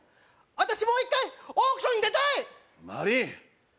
私もう一回オークションに出たいマリーン！